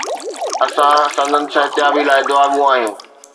اسان سندن صحتيابي لاءِ دعاگو آهيون